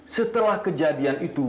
setelah kejadian itu